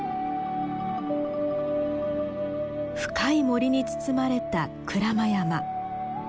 深い森に包まれた鞍馬山。